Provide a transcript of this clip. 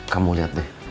kamu liat deh